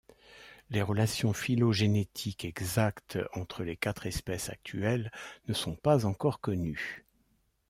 Les relations phylogénétiques exactes entre les quatre espèces actuelles ne sont pas encore connues.